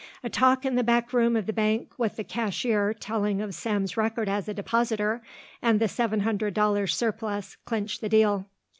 A talk in the back room of the bank, with the cashier telling of Sam's record as a depositor, and the seven hundred dollars surplus clinched the deal.